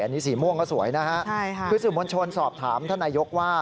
อันนี้สีม่วงก็สวยนะฮะคุณสมวนชนสอบถามท่านนายกว่า